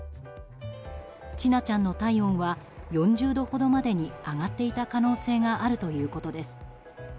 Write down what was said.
千奈ちゃんの体温は４０度ほどまでに上がっていた可能性があるということです。